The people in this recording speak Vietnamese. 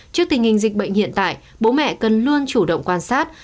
trước tình hình dịch bệnh hiện tại bố mẹ cần luôn chủ động quan sát